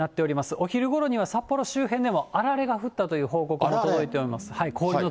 お昼ごろには札幌周辺でもあられが降ったという報告も届いておりあられ。